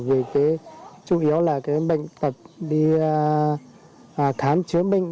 vì cái chủ yếu là cái bệnh tật đi khám chữa bệnh